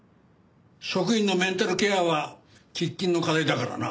職員のメンタルケアは喫緊の課題だからな。